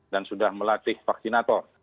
dan sudah melatih vaksinator